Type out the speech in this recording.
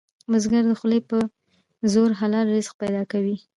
بزګر د خولو په زور حلال رزق پیدا کوي